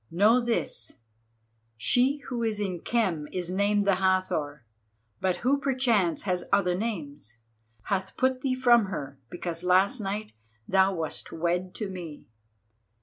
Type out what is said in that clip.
Know this, she who in Khem is named the Hathor, but who perchance has other names, hath put thee from her because last night thou wast wed to me."